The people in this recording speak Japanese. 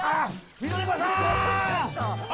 緑子さんあ！